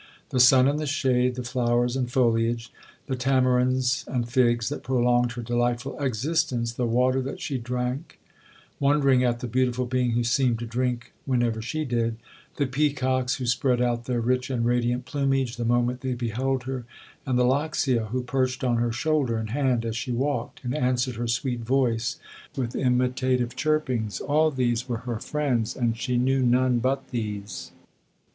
The sun and the shade—the flowers and foliage—the tamarinds and figs that prolonged her delightful existence—the water that she drank, wondering at the beautiful being who seemed to drink whenever she did—the peacocks, who spread out their rich and radiant plumage the moment they beheld her—and the loxia, who perched on her shoulder and hand as she walked, and answered her sweet voice with imitative chirpings—all these were her friends, and she knew none but these.